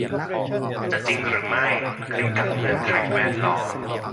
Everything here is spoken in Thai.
จะจริงหรือไม่ขึ้นกับเงื่อนไขแวดล้อม